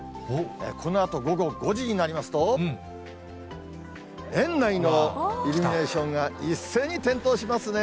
このあと午後５時になりますと、園内のイルミネーションが一斉に点灯しますね。